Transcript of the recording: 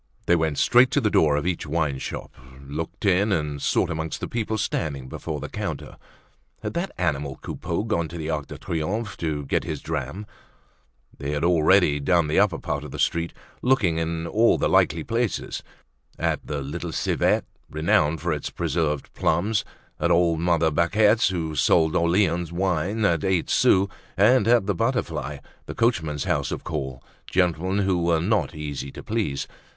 They went straight to the door of each wineshop, looked in and sought amongst the people standing before the counter. Had that animal Coupeau gone to the Arc de Triomphe to get his dram? They had already done the upper part of the street, looking in at all the likely places; at the "Little Civet," renowned for its preserved plums; at old mother Baquet's, who sold Orleans wine at eight sous; at the "Butterfly," the coachmen's house of call, gentlemen who were not easy to please.